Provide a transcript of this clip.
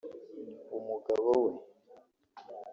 umugabo we